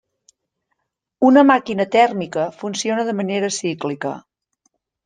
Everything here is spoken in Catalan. Una màquina tèrmica funciona de manera cíclica.